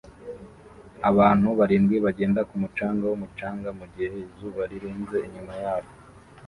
Abantu barindwi bagenda ku mucanga wumucanga mugihe izuba rirenze inyuma yabo